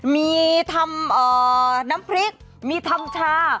มีทำน้ำพริกมีทำชา